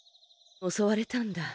おそわれたんだ。